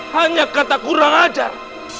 hanya kata kurang ajar